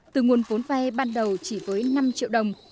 từ nguồn vốn vay ban đầu chỉ với năm triệu đồng